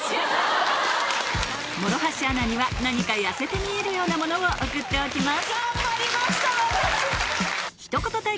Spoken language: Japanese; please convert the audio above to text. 諸橋アナには何か痩せて見えるようなものを送っておきます